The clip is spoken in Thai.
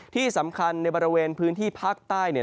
ที่สำคัญในบริเวณพื้นที่ภาคใต้